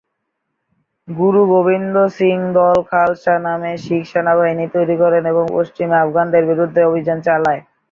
গুরু গোবিন্দ সিং দল খালসা নামে শিখ সেনাবাহিনী তৈরি করেন এবং পশ্চিমে আফগানদের বিরুদ্ধে অভিযান চালায়।